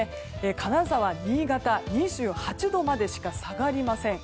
金沢、新潟は２８度までしか下がりません。